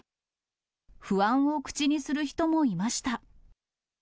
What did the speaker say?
不安を口にする人もいました。